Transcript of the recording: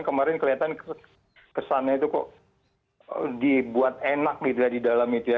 kemarin kelihatan kesannya itu kok dibuat enak gitu ya di dalam itu ya